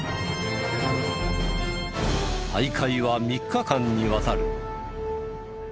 大会は３日間にわたる。